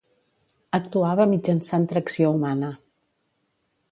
Actuava mitjançant tracció humana.